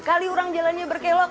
kali orang jalannya berkelok